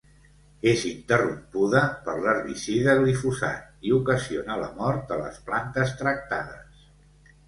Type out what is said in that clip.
És interrompuda per l'herbicida glifosat i ocasiona la mort de les plantes tractades.